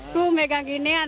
tuh megang ginian